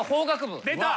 出た。